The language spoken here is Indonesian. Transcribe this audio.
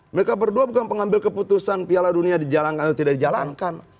mereka berdua bukan pengambil keputusan piala dunia dijalankan atau tidak dijalankan